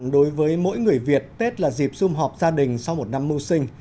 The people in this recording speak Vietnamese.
đối với mỗi người việt tết là dịp xung họp gia đình sau một năm mưu sinh